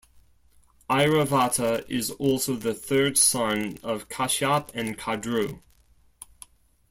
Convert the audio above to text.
Airavata is also the third son of Kashyap and Kadru.